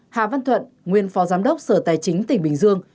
hà văn thuận nguyên phó giám đốc sở tài chính tỉnh bình dương